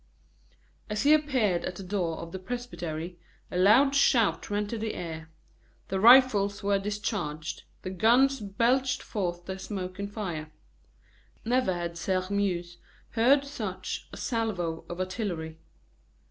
As he appeared at the door of the presbytery, a loud shout rent the air; the rifles were discharged, the guns belched forth their smoke and fire. Never had Sairmeuse heard such a salvo of artillery.